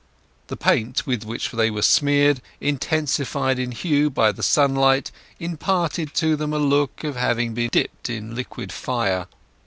The paint with which they were smeared, intensified in hue by the sunlight, imparted to them a look of having been dipped in liquid fire.